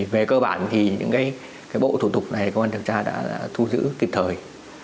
về cơ bản thì những bộ thủ tục này cơ quan điều tra đã thu giữ kịp thời